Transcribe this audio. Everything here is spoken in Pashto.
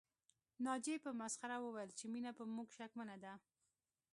ناجيې په مسخره وويل چې مينه په موږ شکمنه ده